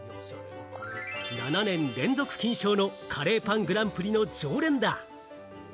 ７年連続金賞のカレーパングランプリの常連だ。